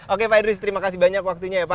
oke pak idris terima kasih banyak waktunya ya pak